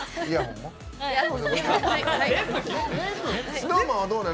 ＳｎｏｗＭａｎはどうなん？